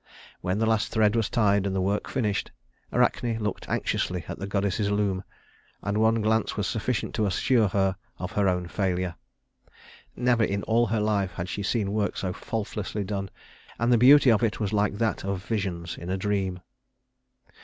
When the last thread was tied and the work finished, Arachne looked anxiously at the goddess's loom, and one glance was sufficient to assure her of her own failure. Never in all her life had she seen work so faultlessly done, and the beauty of it was like that of visions in a dream.